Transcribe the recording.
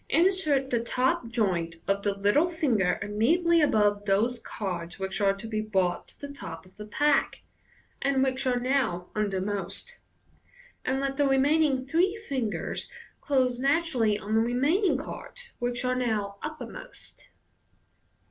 Insert the top joint of the little ringer immediately above those cards which are to be brought to the top of the pack (and which are now under Fig. 1. MODERN MAGIC. 13 most), and let the remaining three fingers close natmally on the remaining cards, which are now uppermost.